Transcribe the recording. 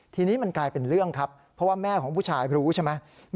ทีนี้มันกลายเป็นเรื่องครับเพราะว่าแม่ของผู้ชายรู้ใช่ไหม